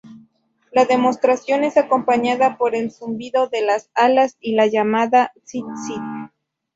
La demostración es acompañada por el zumbido de las alas y la llamada "zit-zit".